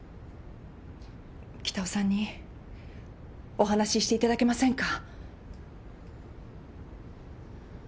北尾さんにお話ししていただけませんか？